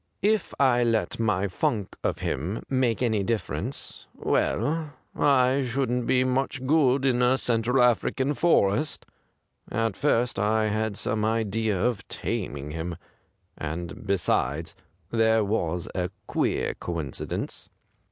If I let my funk of him make any differ ence — well, I shouldn't be much good in a Central African forest. At first I had some idea of taming him — and;, besides, there was a queer coincidence.'